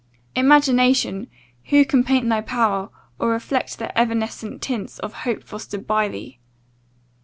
Imagination! who can paint thy power; or reflect the evanescent tints of hope fostered by thee?